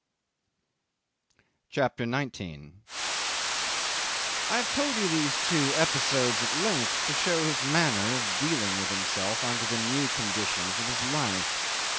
CHAPTER 19 'I have told you these two episodes at length to show his manner of dealing with himself under the new conditions of his life.